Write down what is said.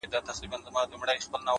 زه هم له خدايه څخه غواړمه تا ـ